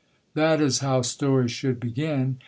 That is how stories should begin.